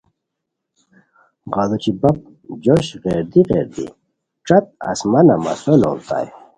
غیڑوچی بپ جوشہ غیردی غیردی ݯت آسمانہ مسو لوڑیتائے